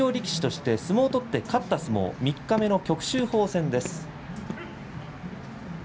十両力士として相撲を取って勝った相撲、三日目の旭